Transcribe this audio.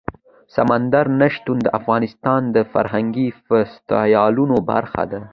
سمندر نه شتون د افغانستان د فرهنګي فستیوالونو برخه ده.